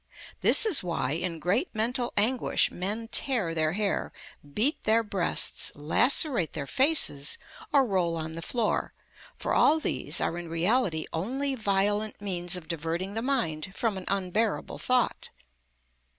This is why, in great mental anguish, men tear their hair, beat their breasts, lacerate their faces, or roll on the floor, for all these are in reality only violent means of diverting the mind from an unbearable thought.